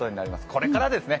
これからですね。